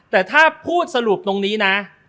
แต่ถ้าพูดสรุปตรงนี้นะ